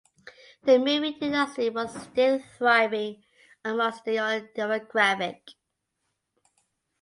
The movie industry was still thriving amongst the young demographic.